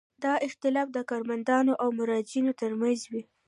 دا اختلاف د کارمندانو او مراجعینو ترمنځ وي.